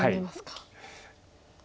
はい。